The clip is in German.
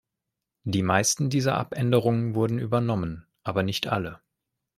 Die meisten dieser Abänderungen wurden übernommen, aber nicht alle.